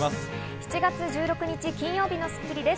７月１６日、金曜日の『スッキリ』です。